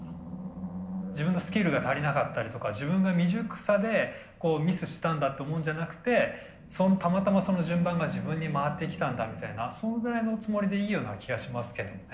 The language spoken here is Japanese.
自分のスキルが足りなかったりとか自分が未熟さでミスしたんだって思うんじゃなくてたまたまその順番が自分に回ってきたんだみたいなそのぐらいのつもりでいいような気がしますけどね。